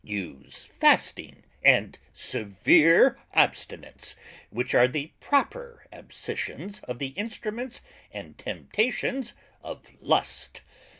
Use Fasting and severe Abstinence, which are the proper Abscissions of the instruments and temptations of lust.